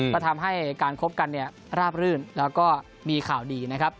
ก็ทำให้การคบกันเนี่ยราบรื่นแล้วก็มีข่าวดีนะครับ